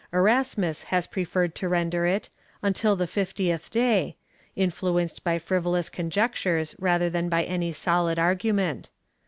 Erasmus has preferi'ed to render it — until the fiftieth day, influenced by frivolous conjectures rather than by any solid argument.